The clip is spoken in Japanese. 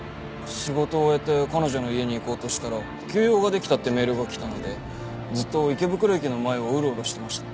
仕事を終えて彼女の家に行こうとしたら「急用ができた」ってメールが来たのでずっと池袋駅の前をうろうろしてました。